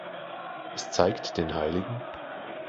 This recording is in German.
Es zeigt den hl.